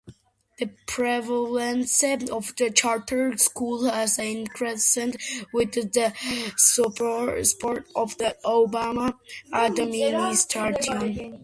The prevalence of charter schools has increased with the support of the Obama Administration.